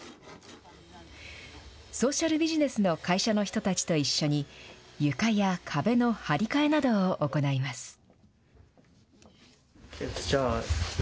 ソーシャルビジネスの会社の人たちと一緒に、床や壁の張り替えなどを行います。